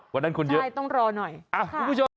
วันนั้นคนเยอะต้องรอหน่อยค่ะคุณผู้ชม